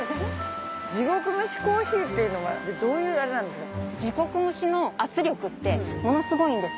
地獄蒸し珈琲っていうのはどういうあれなんですか？